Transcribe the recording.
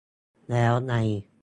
แล้วไง